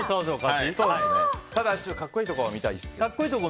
格好いいところ見たいです。